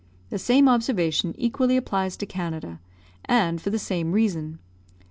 The same observation equally applies to Canada, and for the same reason.